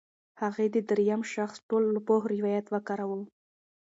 هغې د درېیم شخص ټولپوه روایت وکاراوه.